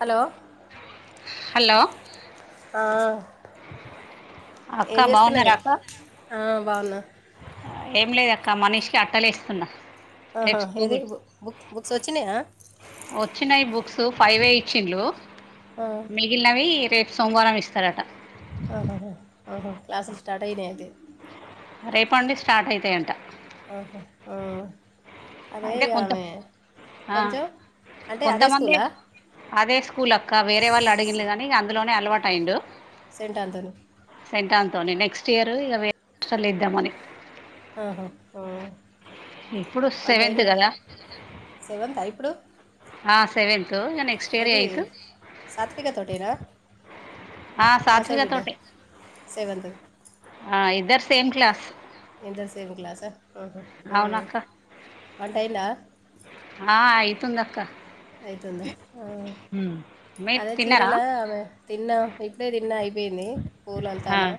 Hello hello ఆ అక్క ఏం బాగున్నారా చేస్తున్నవే అక్క ఆ బాగున్నా. కామనీష్కి అట్టలేస్తున్న. ఆహా ఏది బుక్ బుక్ బుక్సొచ్చినయా? వచ్చినయి బుక్స్ ఫైవే ఇచ్చింలు ఆ మిగిలినవి రేప్ సోమవారం ఇస్తరట. ఆహా ఆహా క్లాసెస్ స్టార్ట్ అయినై అయితే రేపట్ నుండి స్టార్ట్ అయితయంట. ఆహా ఆ అదే అయితే ఇగ కొంత ఆమె ఆ కొంచం అంటే అదే కొంతమంది స్కూలా అదే స్కూల్ అక్క వేరే వాళ్ళు అడిగిన్లు గని ఇగ అందులోనే అలవాటైండు. సెంట్ అంతను దాన్తోనే నెక్స్ట్ ఇయర్ ఇగ వేరే హాస్టల్లో ఏద్దామని ఆహా ఆ ఇప్పుడు వంట సెవెంత్ అయిందా గదా సెవెంతా ఇప్పుడు సెవెన్త్ ఇగ నెక్స్ట్ ఇయర్ ఏది ఎయిత్ సాత్విక తోటేనా ఆ వాసవి సాత్విక బిడ్డ తోటే సెవెంత్ ఆ ఇద్దర్ సేమ్ క్లాస్ ఇద్దర్ సేమ్ క్లాసా మ్ హ్ మ్ అవునక్క వంటైందా? తుందక్క అయితుందా ఆ మీరు అదే తిన్నారా చీరల ఆమె తిన్న ఇప్పుడే తిన్న అయిపోయింది. పూల్ ఆ అల్లుతానా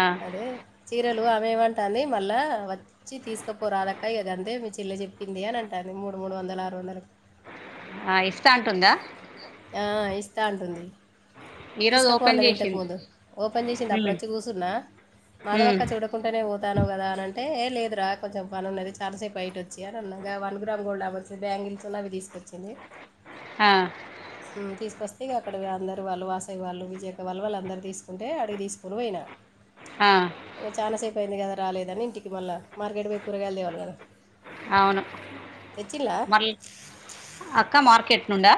ఆ అదే చీర్ రలు ఆమె ఏమంటాంది మళ్ళా వచ్చి తీస్కపోరాదక్క ఇగ గంతే మీ చెల్ల చెప్పింది అన్ అంటాంది. మూడు మూడు వందలు ఆరు వందలక్ ఆ ఇస్తా అంటుందా? ఆ ఇస్తా అంటుంది. ఈరోజు తీస్కపో ఓపెన్ అన్నది ఇంతకు చేసింది ముందు ఓపెన్ చేసింది ఉమ్ అప్పుడచ్చి కూర్చున్నా ఉమ్ మాధవక్క చూడకుంటనే పోతానవు కదా అన్ అం టే ఏ లేదురా కొంచం పనున్నది చాలాసేపు బయట వచ్చి అన్ అన్న. గా వన్ గ్రామ్ గోల్డ్ ఆమన్స్ బ్యాంగిల్స్ అవి తీస్కు వచ్చింది ఆ వస్తే ఇగ అక్కడ అందరూ వాళ్ళు, వాసవి వాళ్ళు, విజయక్క వాళ్ళు వాళ్లందర్ తీస్కుంటే అడిగి తీస్కోన్ పొయినా ఆ ఇగ చాలాసేప్ అయింది కదా రాలేదని ఇంటికి మళ్ళ మార్కెట్ పోయి కూరగాయల్ తేవాల్ కదా అవును తెచ్చిండ్లా మళ్ అక్క మార్కెట్ నుండా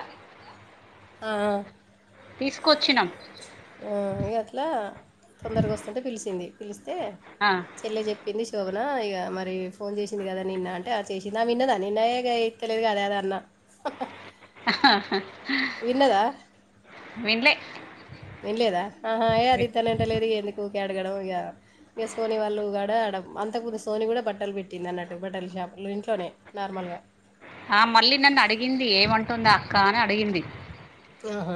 ఆ తీసుకొచ్చినాం ఆ ఇగ అట్లా తొందర్గ వస్తుంటే పిలిసింది పిలిస్తే ఆ చెల్లె చెప్పింది శోభ నా ఇగ మరి ఫోన్ చేసింది కదా నిన్నా అంటే ఆ చేసింది ఆ విన్నదా నిన్న ఏ గై ఇత్తలేద్ గద్ అద్ అన్న అ విన్నదా? విన్లే విన్లేదా ఆహా ఏ అది ఇత్తనంట లేదు ఇగ ఎందు కు ఊకె అడగడం ఇగ ఇగ సోనీ వాళ్ళు ఆడ అంతకుముందు సోని గుడా బట్టల్ పెట్టింది అన్నట్టు బట్టల్ షాప్ ఇంట్లోనే నార్మల్గా ఆ మళ్ళీ నన్ను అడిగింది ఏమంటుందా అక్క అని అడిగింది అహ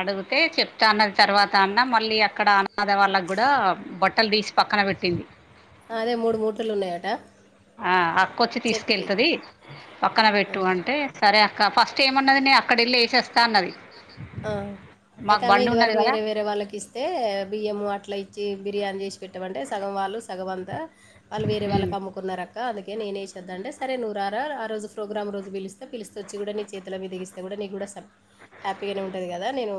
అడిగితే చెప్తా అన్న తర్వాత అన్న మళ్ళీ అక్కడ అన్నది వాళ్ళకి కూడా బట్టలు తీస్ పక్ పక్కన పెట్టింది అదే మూడు మూటలు ఉన్నాయట ఆ అక్కొచ్చి చెప్పిద్ది తీసుకెళతది పక్కన ఆ పెట్టు అంటే సరే అక్ ఫస్ట్ ఏమన్నది నే అక్కడ ఎల్లి ఏసేస్తా అన్నది ఆ అయితే మాకు ఆమె బండి ఉన్నది ఇదివరకు కదా వేరే వేరే వాళ్ళకి ఇస్తే బియ్యము అట్లా ఇ ఇచ్చి బిర్యానీ చేసి పెట్టమంటే సగం వాళ్ళు సగంతా వాళ్ళు వేరే ఉమ్ వాళ్ళకి అమ్ముకున్నారక్ అందుకే నేనే యెషోద్ధ అంటే సరే నువ్ రార ఆ రోజు ప్రోగ్రామ్ రోజు పిలిస్తే పిలిస్త వచ్చి కూడా నీ చేతిల మీద దిగిస్తే కూడా నీకు కూడా హ్యాపీగానే ఉంటుంది కదా నేను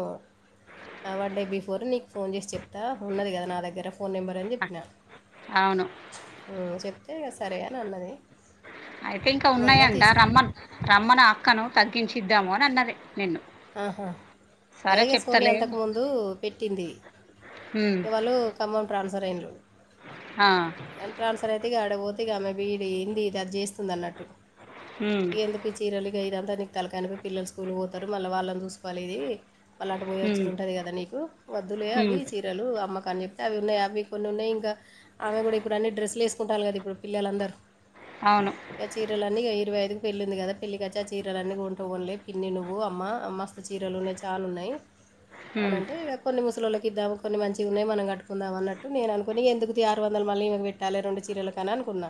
వన్ డే బిఫోర్ నీకు ఫోన్ చేసి చెప్తా ఉన్నది కదా నా దగ్గర ఫోన్ నెంబర్ అని చెప్పినా అవును ఉ చెప్తే ఇగ సరే అని అన్నది అయితే ఇంకా మళ్ళా ఉన్నాయంట తీసుకు రమ్మన్ రమ్మన్ అక్కను తగ్గించిద్దాము అని అన్నది నిన్ను అహ సరే ఐగా సోని చెప్తలే అంతకుముందు పెట్టింది ఉమ్ ఇవాళ్ళు ఖమ్మం ట్రాన్స్ఫర్ అయిన్రు ఆ అ ట్రాన్స్ఫర్ అయితే ఇగ ఆడే పోదు తిగా ఆమె వీడి ఏంది ఇది అది చేస్తుంది అన్నట్టు ఉమ్ ఎందుకు ఈ చీరలు గైర దానికి తలకాయి నొప్పి పిల్లలు స్కూల్ పోతారు మళ్ళీ వాళ్ళని చూసుకోవాలిది వలటపోయొచ్చి ఉమ్ ఉంటది కదా నీకు వద్దులే అవి ఉమ్ చీరలు అమ్మ అని చెప్తే అవి ఉన్నాయి అవి కొన్ని ఉన్నాయి ఇంకా ఆమె కూడా ఇప్పుడన్ని డ్రెస్సులు వేసుంటాలు కద ఇప్పుడు పిల్లందరరు అవును ఆ చీరలన్నీ ఇగ ఇరవై ఐదుకి పెళ్ళి ఉంది కదా పెళ్ళి కచ్చి ఆ చీరలు అన్నీ కొంట కొన్లే పిన్ని నువ్ వ్వు అమ్మ మస్త్ చిరల్లున్నాయి చాన్ ఉన్నాయ్ అని ఉమ్ అంటే ఇంగ ఇద్దాము కొన్ని మంచి ఉన్నాయి మనం కట్టుకుందాం అన్నట్టు నేను అనుకుని ఎందుకు తి ఆరు వందలు మల్లి పెట్టాలి ఆ రెండుచిరలు కన్నా అనుకున్నా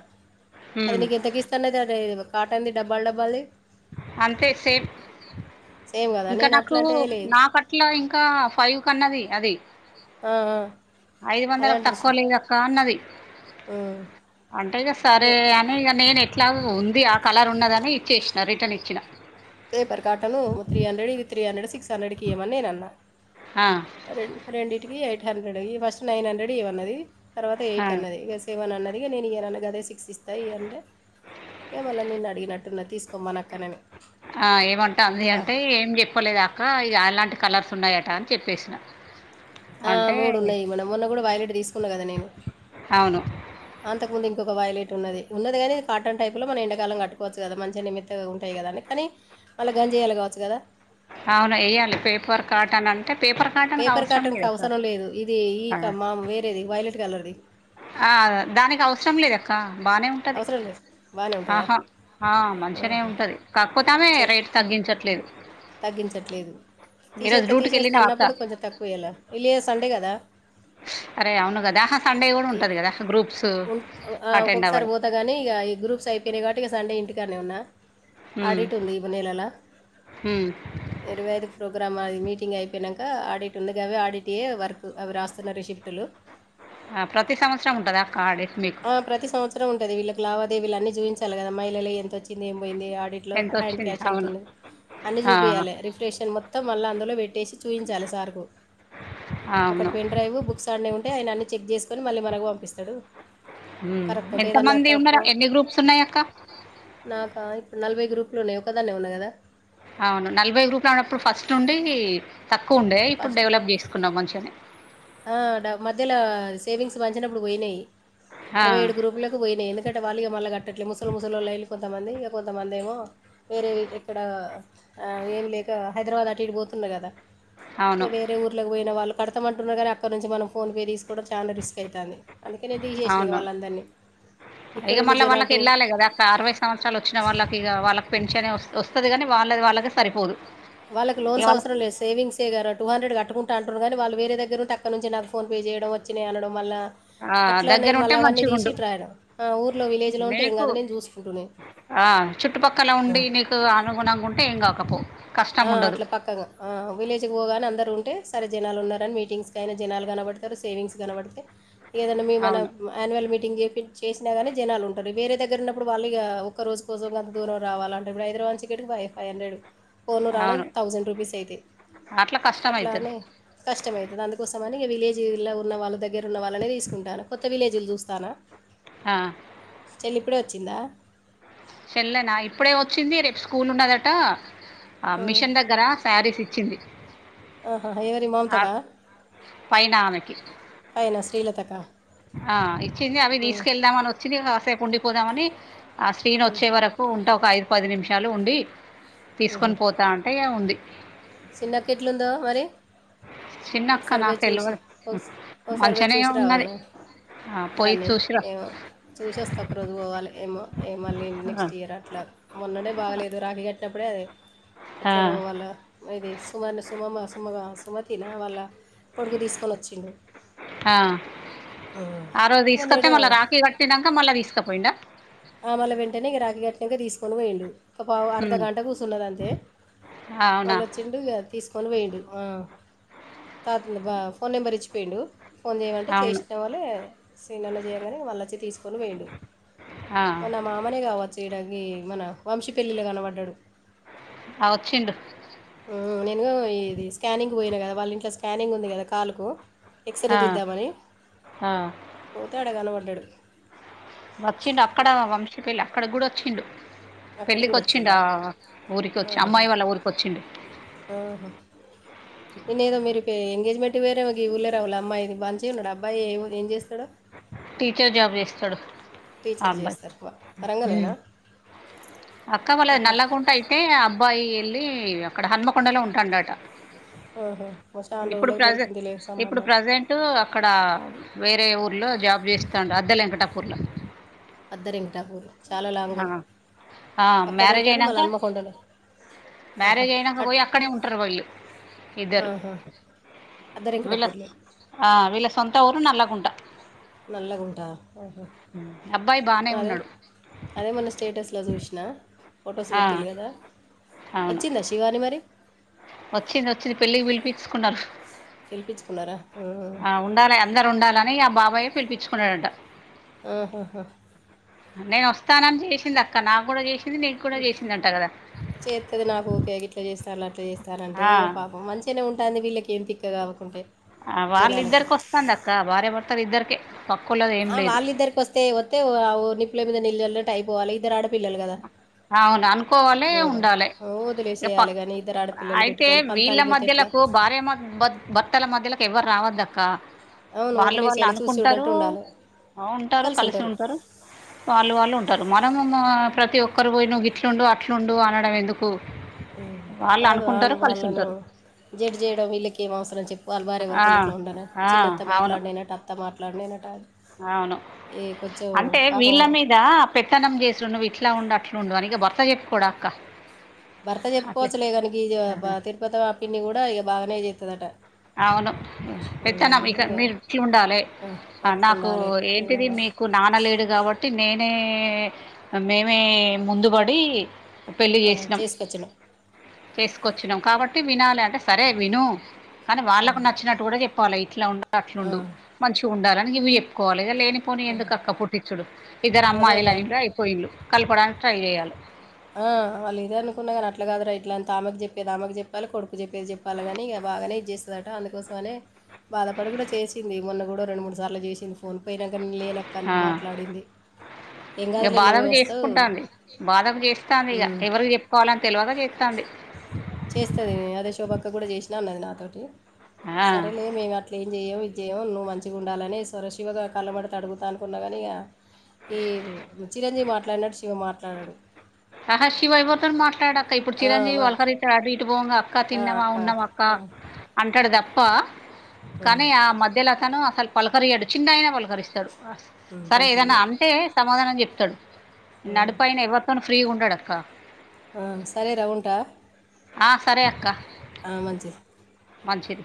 అది ఉమ్ నీకు ఎంతకి ఇస్తానది అది కాటన్ది డబల్ దబల్ది అంతే సేఫ్ సేమ్ కదా ఇంకా నేను అట్లా నాకు అంటే లేదు నాకట్ల ఇంకా ఫైవ్ కన్నది అది ఆ ఐదు అదే వందలకు అంటుంది తక్కువ శివ. లేదక్క అన్నది ఉమ్. అంటేగా పే సరే అని ఇగ నేను ఎట్లాగు అది ఆ కలర్ ఉన్నదని ఇచ్చేసిన రిటర్న్ ఇచ్చిన పేపర్ కాటాను three hundred with three hundred six hundred కి ఇయమని నే అన్నా ఆ రెం రెండింటికి eight hundred first nine hundred ఇయమన్నది తర్వాత ఆ ఎయిట్ అన్నది ఇగ సెవెన్ అన్నది నేను ఇయనన్నా గదే సిక్స్ ఇస్తా ఇ అంటే ఏమల్ల నిన్ను అడిగినట్టున్న తీసుకోమ్మన అక్కనని ఆ ఏమంటాంది ప- అంటే ఏం చెప్పలేదు అక్క ఇ అలాం కలర్స్ ఉన్నాయట అని చెప్పేసిన ఆ అంటే మూడు ఉన్నాయి మొన్న కూడా వాయిలెట్ తీసుకున్నా కదా నేను అవును అంతకుముందు ఇం ఇంకొ వైలెట్ ఉది ఉన్నది గానీ కాటన్ టైప్ లో మనం ఎండకాలం కట్టుకోచ్చు కదా మంచి నిమిత్తంగా ఉంటాయి కదా అని కానీ మళ్ళ గంజి ఇయ్యాలే కావచ్చు కదా అవును వెయ్యాలి పేపర్ కాటన్ అంటే పేపర్ కాటన్ క పేపర్ అవసరం లేదు కాటన్కి అవసరం లేదు ఇది ఈ క మా వేరేది వైలెట్ కలర్ది ఆ దానికి అవసరం లేదక్క బానే ఉంటది అవసరం లేదు బాగానే ఉంటుందా ఆహా ఆ మంచినే ఆహా. ఉంటది కాకపోతామే సరే రేట్ తగ్గించట్లేదు తగ్గించట్లేదు ఈరోజు తీసేస్త డ్యూటీకి తీసేస్తే వెళ్ళినావా అక్క అన్నప్పుడు కొంచెం తక్కువేయాల విలేజ్ సండే కదా అరే అవును కదా ఆహా! సండే కూడా ఇ ఉంటది కదా గ్రూప్స్ ఉం ఆ అటెండ్ ఒక్కొక్కసారి అవ్వడం పోతాగనీ ఇగ ఈ గ్రూప్స అయిపోయినై కాబట్టి ఇగ సండే ఇంటికనన్నే ఉన్నా ఆడిట్ ఉంది ఈ నెలలా హ్ గ్రాం అది మీటింగ్ అయిపోయినంక ఆడిట్ ఉంది గవ్వే ఆడిట్యే వర్క్ అవి రాస్తున్న రిసిప్టులు ఆ ప్రతి సంవత్సరం ఉంటదా అక్క ఆడిట్ మీకు ఆ ప్రతి సంవత్సరం ఉంటది వీళ్ళక్ లావా దేవీలన్నీ చూపించాలి కదా అమ్మాయిల ఎంత వచ్చింది ఏం పోయింది. ఆడిట్లో ఎంత హ్యాండ్ వచ్చింది క్యాష్ అవును ఎంతుంది అన్ని ఆ చూపియాలె రిఫ్రెషన్ మొత్తం మళ్ళ అందులో పెట్టేసి చూయించాలె సార్కు ఒకటి అవును పెన్ డ్రైవ్ బుక్స్ ఆడ్నే ఉంటే ఆయన అన్ని చెక్ చేస్కోని మళ్ళీ మనకు పంపిస్తడు. మ్ ఎంత మంది ఉన్నర ఎన్ని గ్రూప్స్ ఉన్నయ్ అక్క నాకా ఇప్పుడు నలభై గ్రూపులు ఉన్నయి ఒకదాన్నే ఉన్న గదా అవును నలభై గ్రూపుల అన్నప్పుడు ఫస్ట్ నుండీ తక్కు ఉండే ఇప్పుడు డెవలప్ చేస్కున్నవ్ మంచిగనే ఆ డ మధ్యలో సేవింగ్స్ మంచినప్పుడు పోయినయి ఆ అరవై ఏడు గ్రూపులకు పోయినయి ఎందుక టే వాళ్ళు ఇగ మళ్ళ గట్టట్లే ముసల్ ముసలోళ్ళు అయిన్లు కొంతమంది ఇగ కొంతమందేమో వేరే ఎక్కడా ఆ ఏం లేక హైదరాబాద్ అటు ఇటు పో తుంరు గదా ఇగ అవును వేరే ఊర్లక్ పోయిన వాళ్ళు కడ్తమంటున్నరు అక్కడ్ నుంచి మనం ఫోన్ పే తీస్ కూడా చాలా రిస్క్ అయితాంది. అందుకే నేన్ తీసేసిన ఇగ అవును వాళ్ళందర్నీ ఇగ మళ్ళ వాళ్ళక్ ఎళ్ళాలె గదా అక్కా అరవై సంవత్సరాల్ వచ్చిన వాళ్ళక్ ఇగ వాళ్ళక్ పెన్షనే వస్ వస్తది గని వాళ్ళది వాళ్ళకే సరిపోదు. వాళ్ళక్ ఇగ లోన్స్ వాళ్ళ అవసరంలే సేవింగ్సే ఇగ టూ హండ్రెడ్ కట్టుకుంట అంటుంరు గనీ వాళ్ళు వేరే దగ్గరుంటే అక్కడ్ నుంచి నాక్ ఫోన్ పే చేయడం వచ్చినయి అనడం మళ్ళా ఆ అట్లా దగ్గర నేన్ మళ్ళ ఉంటే అవన్నీ తీసి మంచిగుండు ఇట్ రాయడం. ఆ ఊర్లో విలేజ్లో ఉంటే ఏం మీకు కాదు నేన్ చూస్కుంటునే ఆ చుట్టుపక్కల ఉండి నీకు అనుగుణంగా ఉంటే ఏం గాక ఆ అట్ల పక్కంగ ఆ విలేజ్కి పోగానే అందరు ఉంటే సరే జనాలున్నరన్ మీటింగ్స్కైనా జనాలు కనబడతరు, సేవింగ్స్ కనబడితే ఇగ ఏదన్నా మీ మన అవును యాన్యువల్ మీట్ టింగ్ చేపి చేసినా గని జనాలుంటరు. వేరే దగ్గరున్నప్పుడు వాళ్ళు ఇగ ఒక్క రోజు కోసం గంత దూరం రావాలంటే ఇప్పుడు హైదరాబా ద్లోంచి ఇక్కడికి ఫైవ్ ఫైవ్ హండ్రెడు పోను రానా అవును థౌజండ్ రూపీస్ అయితయి. అట్లా కష్టం అట్లా అయితది అనే కష్టమైతది అందుకోసమ ని ఇగ విలేజ్ల ఉన్న వాళ్ళ దగ్గరున్న వాళ్ళనే తీస్కుంటాన్న కొత్త విలేజ్ల్ చూస్తాన్న. ఆ ఇప్పుడే వచ్చిందా? చెల్లనా ఇప్పుడే వచ్చింది రేప్ స్కూలున్నదటా ఆ మిషన్ దగ్గర శారీస్ ఇచ్చింది. ఆహా, ఎవరి అ మమతకా పైన ఆమెకి పైన శ్రీలతకా ఆ ఇచ్చింది అవి ఉమ్, తీసుకెళ్దామన్ వచ్చింది కాసేప్ ఉండి పోదామనీ ఆ శ్రీను ఉమ్, వచ్చే వరకు ఉంట ఒక ఐదు పది నిమిషాలు ఉండి ఉమ్. తీస్కొన్ పోతా అంటే ఇగ ఉంది. చిన్నక్క ఎట్లుందో మరి చిన్నక్క ఒక్సార్ పోయి నాకు చూసి తెల్వదు ఒక్సార్ పోయి మంచిగనే చూసి ఉన్నది రావాల్నే ఆ పోయి దాన్ని చూసిరా ఏమో చూసి వస్తా ఒక రోజు పోవాలె ఏమో ఏ మళ్ళీ నెక్స్ట్ ఆ ఇయర్ అట్లా మొన్ననే బాగలేదు రాఖీ కట్టినప్పుడే అది ఆ ఎట్లనో వాళ్ళ అది సుమన్ సుమమ సుమగ సుమతీన వాళ్ళ కోడుకు తీస్కొన్ వచ్చిండు. ఆ ఆ రోజు తీస్కత్తె మొన్నేడు మళ్ళ రాఖీ కట్టినంక మళ్ళ తీస్కపోయిండా ఆ మళ్ళ వెంటనే ఇగ రాఖీ కట్టినంక తీస్కొన్ పోయిండు. ఒక పావు హ్మ్. అర్ధగంట కూర్చున్నదంతే అవునా మళ్ళొచ్చిండు ఇగ తీసుకు. కొని పోయిండు ఆహ్ ఇంక ఫోన్ నెంబర్ ఇచ్చిపోయిండు. ఫోన్ చేయమంటే అవును చేసిన వళ్లే సినాన్న చేయగానే వాళ్ళు వచ్చి తీసుకొని పోయిండ్రు. ఆ మన మామనే కావచ్చు ఇడాగి మన వంశీపళ్ళిల కనపడ్డాడు. ఆహ్ వచ్చిండు‌. ఉమ్ నేను ఇది స్కానింగ్కి పోయినా కదా వాళ్ళ ఇంట్లో స్కానింగ్ ఉంది కదా కాలుకు. ఎక్స్ రే ఆ తీద్దామని ఆ పోతే అడాగాన పడ్డాడు. వచ్చిండు అక్కడ వంశీ పెళ్లి అక్కడకి కూడా వచ్చిండు. అక్కడికి పెళ్ళికి కూడా వచ్చిండా ఊరికి వచ్చి ఆహాహా. అమ్మాయి వాళ్ళ ఊరికొచ్చిండు. ఆహా ఎన్నిద మీరు. కే ఎంగేజ్మెంట్ వేరేమకి ఈ ఊళ్ళా రావుళ అమ్మాయి మంచిగుండున్నాడు అబ్బాయి ఏం చేస్తాడు. టీచర్ జాబు చేస్తాడు. ఆ టీచర్ అబ్బాయి చేస్తారు ఉమ్ వరంగలేనా. అక్క వాళ్లది ఆహా. నల్లకుంట అయితే అబ్బాయి వెళ్లి. ఇవి అక్కడ హన్మకొండలో ఉంటాండాట. ఆహ్. ఇప్పుడు ప్రజె ఇప్పుడు ప్రజెంట్ అక్కడ వేరే ఊరు. లో జాబ్ చేస్తుండు అద్దలేంకటాపూర్లో. అద్దలేంకటాపూర్ చాలా లాంగు ఆ అక్కడ మ్యారేజ్ ఉంటాడు మళ్ళ అయినాక అన్మకొండలు. మ్యారేజ్ అయినాక పోయి అక్కడే ఉంటారు వీళ్ళు ఇద్దరు. ఆహా. అద్దె విలకు వెంకటాపూర్లో ఆహ్ వీళ్ళ సొంత ఊరు నల్ గుంట. నలగుంటా ఓహ అబ్బాయి బానే అదే. ఉన్నాడు అదే మొన్న స్టేటస్లో చూసినా ఫొటోస్ ఆ పెట్టిలు కదా. అవును వచ్చిందా శివాని మరి. వచ్చింది వచ్చింది పెళ్ళికి పిలిపించుకున్నారు. పిలిపించుకున్నారా ఆహా. ఆహ్ ఉండాలి అందరు ఉండాలని ఆ బాబాయే పిలిపించుకున్నాడట. ఆహ్ ఆహా. నేను వస్తానని చేసింది అక్క నాకు కూడా చేసింది. నీకు కూడా చేసిందంట కదా చేత్తది నాకు ఊకే ఇట్లా చేస్తది. అట్లా చేస్తానంటే ఆ ఇక పాపం మంచిగానే ఉంటుంది వీళ్ళకి ఏం తిక్క కాకుంటే. ఆహ్ వాళ్ళి ఇద్దరికి వస్తాంది అక్క భార్యాభర్త. ఆహ్ వాళ్ళద్దరికి వస్తే వస్తతేవు నిప్పుల మీద నీళ్లు చల్లినట్టు. ఒకటైపోవాలి ఇద్దరు ఆడపిల్లలు కదా. అవును అనుకోవాలి కూడా ఉండాలి ఇక వదిలేసేయాలి పక్ కానీ ఇద్దరు ఆడపిల్లలు అయితే పెట్టుకొని వీళ్ళ పంతానికి పోతే మధ్య. ఎట్లా భార్యాభర్తలకు భార్య మ భర్తల మధ్యలకు ఎవరు రావద్దాక్క. అవును వాళ్ళు వాళ్ళు వదిలేసేయాలి చూసి చూడంటూ అనుకుంటారు ఉండాలి ఉంటారు కలిసి ఉంటారు. వాళ్ళు వాళ్ళు ఉంటారు మనము ప్రతి ఒక్కరు నువ్వు ఇట్లుండు అట్లుండు అనడం ఎందుకు. ఉమ్ వాళ్ళు కాదు అనుకుంటారు ఆమె కలిసి వాలోలు. ఉంటారు జడ్జ్ చేయడం వీళ్ళకేం అవసరం చెప్పు వాళ్ళు ఆ భార్యాభర్తలు ఇట్లా ఉండాలే ఆ చిన్నత్త అవును మాట్లాడినట్టు అత్త మాట్లాడి. లండేనట. అవును అంటే పాపం వీళ్ళ మీద పెత్తనం చేసిండు నువ్వు ఇట్లా ఉండు అట్లా. నువ్వు ఉండు అని ఇగ భర్త చెప్పు. భర్త చెప్పుకోవచ్చలే కానీ ఈ తిరుపతి వా పిన్ని కూడా ఇక బాగానే చెప్పు. అవును పెత్తనం ఇక మీరు ఇట్లు ఉండాలి. ఆ, ఆహ్ అట్లా నాకు ఉండాలి ఈయన ఏంటిది బా- మీకు నాన్నలేడు కాబట్టి. టి నేనే మేమే ముందుబడి పెళ్ళి ఆ చేసినాం చెస్కొచ్చిన చేసుకొచ్చినాం కాబట్టి వినాలి అంటే సరే విను కానీ ఆ, వాళ్ళకు నచ్చినట్టు కూడ చెప్పాలే ఇట్ల ఉండు అట్లా ఆ, ఉండు మంచిగ ఉండాలని ఇవి చెప్పుకోవాలే ఇగ లేనిపోని ఎందుకు అక్క పుట్టించుడు ఇద్దరు అదే అమ్మాయి అదే లైండ్ర అయిపోయిళలు కల్పడాన్ ట్రై చేయాలే ఆ వాళ్ళ ఇదే అనుకున్న కాని అట్ల కాదుర ఇట్లా అంత ఆమెకు చెప్పేది ఆమెకు చెప్పాలే కొడుకు చెప్పేది చెప్పాలిగాని ఇగ బాగనే ఇచ్చేస్తదట అందుకోసమనే బాధపడి కూడ చేసింది మొన్న కూడ రెండు మూడు సార్లు చేసింది ఫోన్ పే అక్క నేన్ లేన్ అక్క ఆ మాట్లాడింది ఏం ఇక కాదులే నువ్వే ఓస్తవ్ ఇస్తంది ఇగ ఎవరికి చెప్పుకోవాలో తేల్వక జెస్తాంది చేస్తది అదే శోభక్క కూడ చేష్ణా అన్నది నాతోటి ఆ సరేలే మేం అట్ల జేయం విజ్యయం నువ్ మంచిగా ఉండాలని స్వరశివగా కళ్ళమడితే అడుగుతా అనుకున్నాగాని ఇగ ఈ చిరంజీవి మాట్లాడినట్ శివ మాట్లాడడు ఆహ శివ ఎవ్వర్తోన్ మాట్లాడాక్క ఇప్పుడు ఆ! చిరంజీవి వాళ్ళ మాట్ అటు ఇటు పోంగ అక్క తిన్నావ ఉన్నావ అక్క ఆ! అంటడు తప్ప కానీ హ్మ్. ఆ మధ్యలో అతను అసలు పలకరియడు చిన్న అయిన పలకరిస్తడు సరే ఏదన పలకరియాడు అంటే సమాధానం చెప్తడు నడిపాయన ఎవ్వతోను డడక్క హ్మ్ సరే ర ఉంటా ఆ సరే అక్క ఆ మంచిది మంచిది